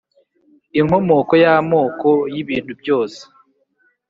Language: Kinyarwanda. Inkomoko y Amoko y Ibintu byose